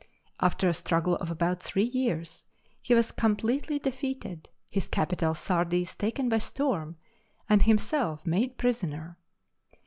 After a struggle of about three years he was completely defeated, his capital Sardis taken by storm, and himself made prisoner.